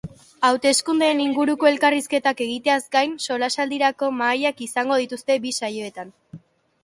Hauteskundeen inguruko elkarrizketak egiteaz gain, solasaldirako mahaiak izango dituzte bi saioetan.